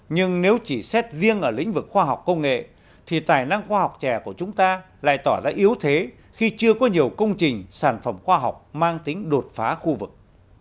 nhưng nếu chỉ xét riêng ở lĩnh vực khoa học công nghệ thì tài năng khoa học trẻ của chúng ta lại tỏ ra yếu thế khi chưa có nhiều công trình sản phẩm khoa học mang tính đột phá khu vực